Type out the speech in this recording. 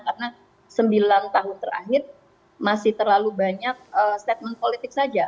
karena sembilan tahun terakhir masih terlalu banyak statement politik saja